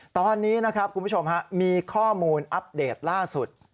ตอนนี้นะครับคุณผู้ชมมีข้อมูลอัปเดตล่าสุด